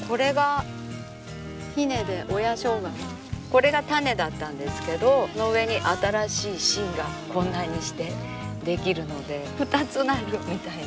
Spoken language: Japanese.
これが種だったんですけどその上に新しい新がこんなにして出来るので２つなるみたいな。